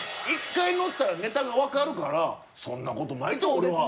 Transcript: １回乗ったらネタがわかるからそんな事ないと俺は。